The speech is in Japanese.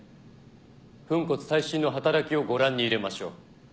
粉骨砕身の働きをご覧に入れましょう。